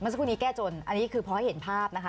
สักครู่นี้แก้จนอันนี้คือพอให้เห็นภาพนะคะ